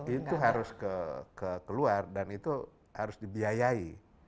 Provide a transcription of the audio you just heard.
itu harus keluar dan itu harus dibiayai